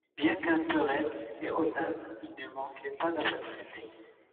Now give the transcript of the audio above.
Bien qu'un peu raide et hautain il ne manquait pas d'affabilité.